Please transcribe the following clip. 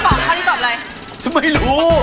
กูหลีกำลังจะตายไงแล้วบอกซูบาเลนส์